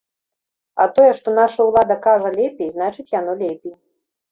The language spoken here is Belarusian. А тое, што наша ўлада кажа лепей, значыць, яно лепей.